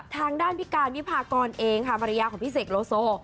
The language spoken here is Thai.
ทางด้านพี่การวิพากรเองค่ะมารยาของพี่เสกโลโซ